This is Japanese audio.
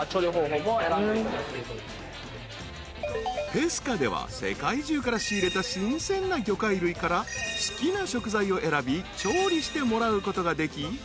［ペスカでは世界中から仕入れた新鮮な魚介類から好きな食材を選び調理してもらうことができ］